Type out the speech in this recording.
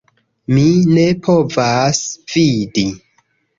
Mi ne povas vidi